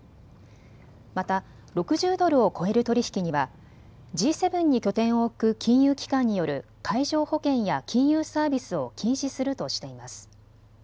また６０ドルを超える取り引きにはＧ７に拠点を置く金融機関による海上保険や金融サービスを禁止するとしています。